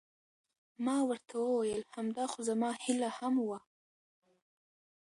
ما ورته وویل: همدا خو زما هیله هم وه.